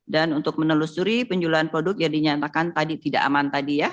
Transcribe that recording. dan untuk menelusuri penjualan produk yang dinyatakan tadi tidak aman